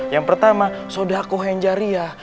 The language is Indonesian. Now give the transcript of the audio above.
yang pertama sodokoh yang jariah